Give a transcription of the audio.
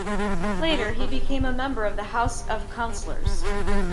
Later, he became a member of the House of Councilors.